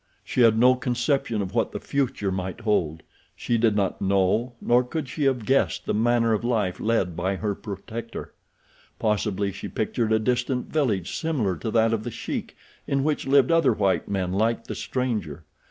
She had no conception of what the future might hold. She did not know, nor could she have guessed the manner of life led by her protector. Possibly she pictured a distant village similar to that of The Sheik in which lived other white men like the stranger.